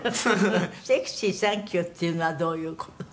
「セクシーサンキューっていうのはどういう事なの？」